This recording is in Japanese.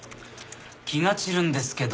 気が散るんですけど。